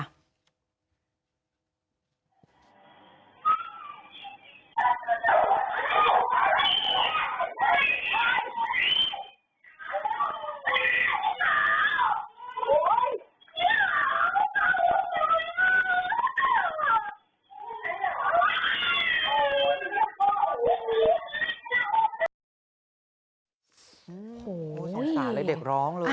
สงสารไปเด็กร้องเลย